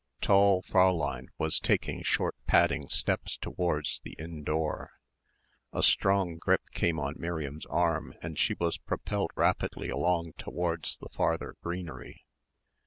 Tall Fräulein was taking short padding steps towards the inn door. A strong grip came on Miriam's arm and she was propelled rapidly along towards the farther greenery.